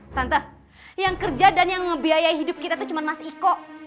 lantas yang kerja dan yang ngebiayai hidup kita itu cuma mas iko